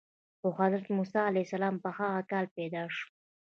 خو حضرت موسی علیه السلام په هغه کال پیدا شو.